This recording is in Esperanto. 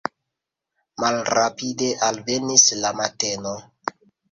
Malrapide alvenis la mateno.